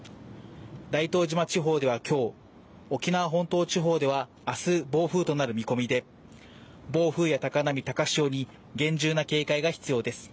大東島地方では今日沖縄本島地方では明日暴風雨となる見込みで暴風や高波、高潮に厳重な警戒が必要です。